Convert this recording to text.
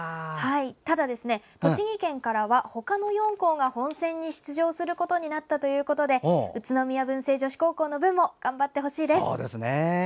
ただ、栃木県からはほかの４校が本選に出場することになったということで宇都宮文星女子高校の分も頑張ってほしいです。